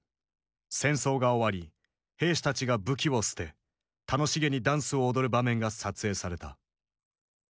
戦争が終わり兵士たちが武器を捨て楽しげにダンスを踊る場面が撮影された。